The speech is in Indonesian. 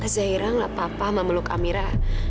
zahira ngeliat papa memeluk amira